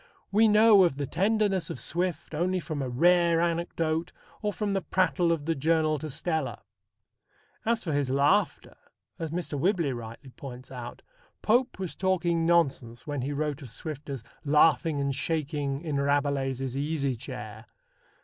We know of the tenderness of Swift only from a rare anecdote or from the prattle of the Journal to Stella. As for his laughter, as Mr. Whibley rightly points out, Pope was talking nonsense when he wrote of Swift as laughing and shaking in Rabelais's easy chair.